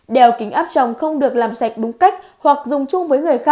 đèo kính áp trồng không được làm sạch đúng cách hoặc dùng chung với người khác